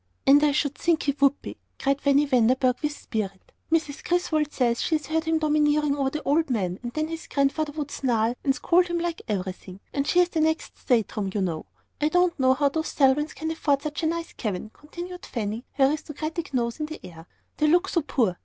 "And I should think he would be," cried Fanny Vanderburgh, with spirit. "Mrs. Griswold says she's heard him domineering over the old man, and then his Grandfather would snarl and scold like everything. She has the next state room, you know. I don't see how those Selwyns can afford such a nice cabin," continued Fanny, her aristocratic nose in the air, "they look so poor.